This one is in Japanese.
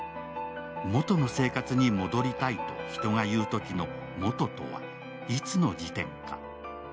元の生活に戻りたいと人が言うときの「元」とは、いつの時点か。